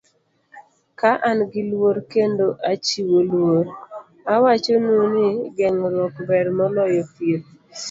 Ka an gi luor kendo achiwo luor, awachonu ni geng'ruok ber moloyo thieth.